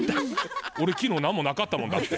俺昨日何もなかったもんだって。